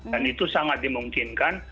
dan itu sangat dimungkinkan